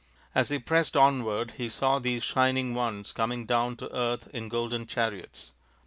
As he pressed onward he saw these Shining Ones coming down to earth in golden chariots.